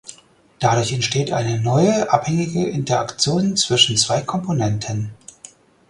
Dadurch entsteht eine neue abhängige Interaktion zwischen zwei Komponenten.